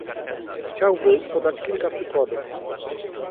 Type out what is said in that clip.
Chciałbym podać kilka przykładów